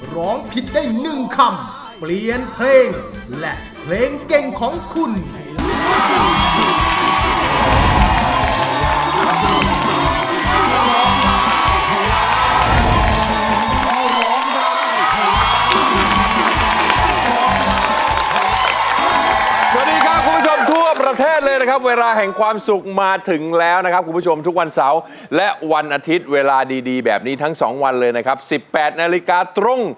ร้องผิดได้๑คำเปลี่ยนเพลงและเพลงเก่งของคุณ